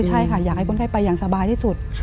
ใช่ค่ะอยากให้คนไข้ไปอย่างสบายที่สุด